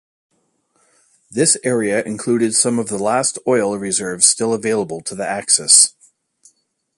This area included some of the last oil reserves still available to the Axis.